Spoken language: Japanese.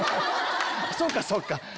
そうかそうか。